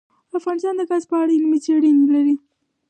افغانستان د ګاز په اړه علمي څېړنې لري.